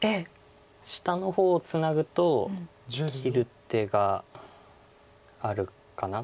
下の方をツナぐと切る手があるかな？